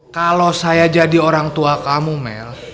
kalau saya jadi orang tua kamu mel